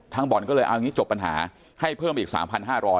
บ่อนก็เลยเอาอย่างนี้จบปัญหาให้เพิ่มอีก๓๕๐๐